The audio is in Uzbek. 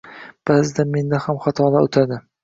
Baʼzida menda ham xatolar oʻtadi.